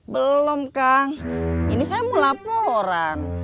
belum kang ini saya mau laporan